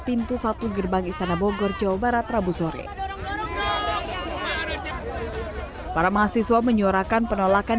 pintu satu gerbang istana bogor jawa barat rabu sore para mahasiswa menyuarakan penolakan